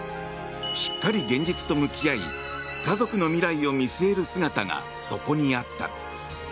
しっかり現実と向き合い家族の未来を見据える姿がそこにあった。